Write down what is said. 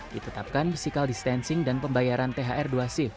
ditetapkan bisikal distensing dan pembayaran thr dua sif